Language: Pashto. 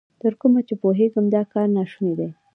تر کومه چې پوهېږم، دا کار نا شونی دی.